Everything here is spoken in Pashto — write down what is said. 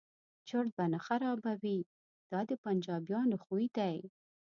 چرت به نه خرابوي دا د پنجابیانو خوی دی.